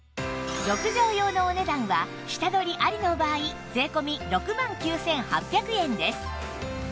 ６畳用のお値段は下取りありの場合税込６万９８００円です